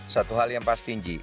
satu hal yang pastinji